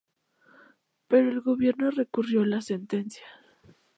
Pero el Gobierno recurrió la sentencia.